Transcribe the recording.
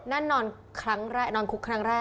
นั่นนอนคุกครั้งแรก